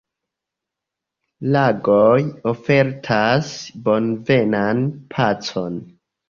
Lagoj ofertas bonvenan pacon.